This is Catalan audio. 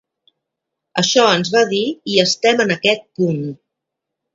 Això ens va dir, i estem en aquest punt.